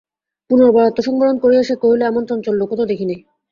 পুনর্বার আত্মসংবরণ করিয়া সে কহিল, এমন চঞ্চল লোকও তো দেখি নাই।